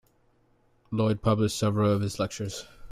Lloyd published several of his lectures.